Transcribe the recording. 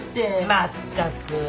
まったく。